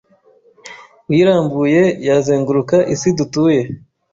uyirambuye yazenguruka isi dutuye